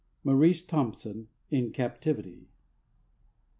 —Maurice Thompson, "In Captivity."